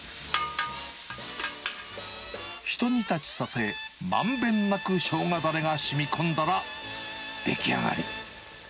ひと煮立ちさせ、まんべんなくショウガだれがしみこんだら、出来上がり。